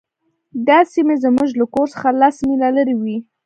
دا سیمې زموږ له کور څخه لس میله لرې وې